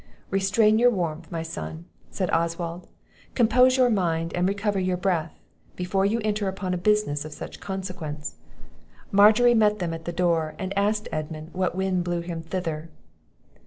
"Restrain your warmth, my son," said Oswald; "compose your mind, and recover your breath, before you enter upon a business of such consequence." Margery met them at the door, and asked Edmund, what wind blew him thither?